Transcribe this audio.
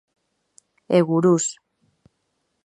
E gurús.